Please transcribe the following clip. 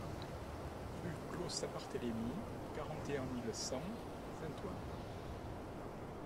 Rue Clos Saint-Barthélémy, quarante et un mille cent Saint-Ouen